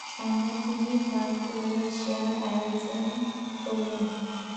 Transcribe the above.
সন্ধ্যায় তিনি বাইতুল্লায় শোয়ার আয়োজন করলেন।